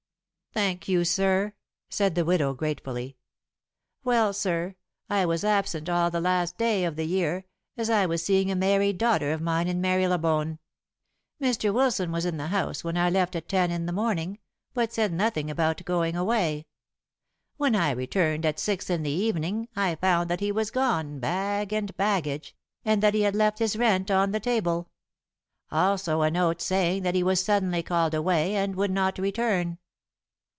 "Thank you, sir," said the widow gratefully. "Well, sir, I was absent all the last day of the year, as I was seeing a married daughter of mine in Marylebone. Mr. Wilson was in the house when I left at ten in the morning, but said nothing about going away. When I returned at six in the evening I found that he was gone bag and baggage, and that he had left his rent on the table. Also a note saying that he was suddenly called away and would not return."